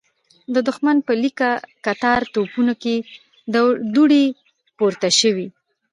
د دښمن په ليکه کتار توپونو کې دوړې پورته شوې.